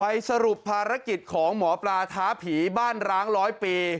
สรุปภารกิจของหมอปลาท้าผีบ้านร้างร้อยปี